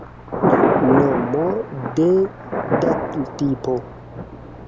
Nomo de datumtipo.